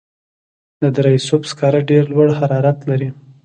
د دره صوف سکاره ډیر لوړ حرارت لري.